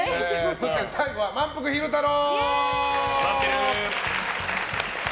そして最後はまんぷく昼太郎！